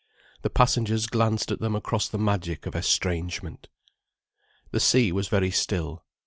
The passengers glanced at them across the magic of estrangement. The sea was very still.